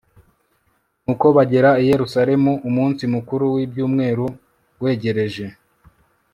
nuko bagera i yeruzalemu, umunsi mukuru w'ibyumweru wegereje